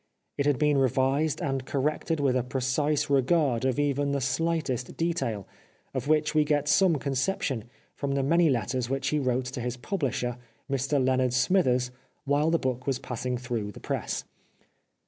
It had been revised and corrected with a precise regard of even the slightest detail, of which we get some conception from the many letters which he wrote to his publisher, Mr Leonard Smithers, while the book was passing through the press.